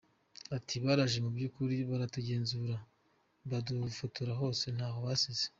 Ati “Baraje mu by’ukuri baratugenzura badufotora hose ntaho basize.